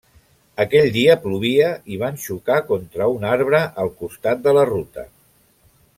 Aquell dia plovia i van xocar contra un arbre al costat de la ruta.